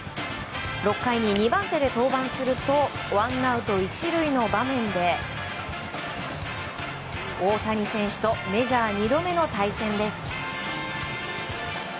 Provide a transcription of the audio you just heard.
６回に２番手で登板するとワンアウト１塁の場面で大谷選手とメジャー２度目の対戦です。